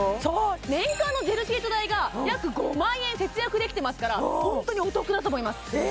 年間のジェルシート代が約５万円節約できてますから本当にお得だと思います